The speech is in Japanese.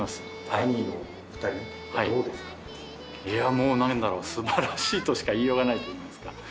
いやもう何だろう素晴らしいとしか言いようがないといいますか。